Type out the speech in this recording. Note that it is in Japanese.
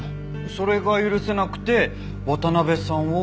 それが許せなくて渡辺さんを殺した？